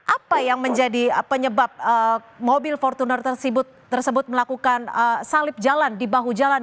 apa yang menjadi penyebab mobil fortuner tersebut melakukan salib jalan di bahu jalan